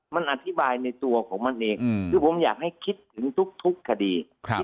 มันอธิบายในตัวของมันเองคือผมอยากให้คิดถึงทุกคดี